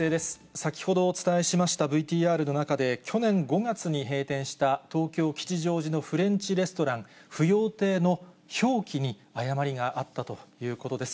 先ほどお伝えしましたＶＴＲの中で、去年５月に閉店した東京・吉祥寺のフレンチレストラン、ふよう亭の表記に誤りがあったということです。